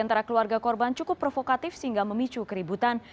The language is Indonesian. antara keluarga korban cukup provokatif sehingga memicu keributan